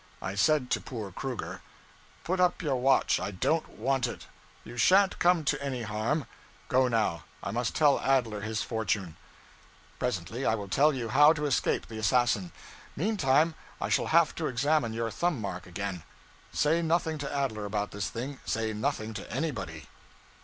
I said to poor Kruger 'Put up your watch, I don't want it. You shan't come to any harm. Go, now; I must tell Adler his fortune. Presently I will tell you how to escape the assassin; meantime I shall have to examine your thumbmark again. Say nothing to Adler about this thing say nothing to anybody.'